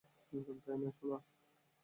তাই না, সোনা?